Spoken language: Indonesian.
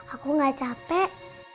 aku gak capek